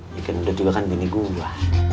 ya gendut juga kan gini gua